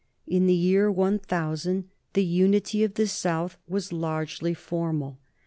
In the year 1000 the unity of thesouth was largely formal.